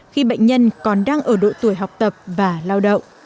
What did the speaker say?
khi bệnh nhân còn đang ở độ tuổi học tập và lao động